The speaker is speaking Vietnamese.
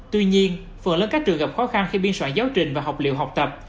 tuy nhiên phần lớn các trường gặp khó khăn khi biên soạn giáo trình và học liệu học tập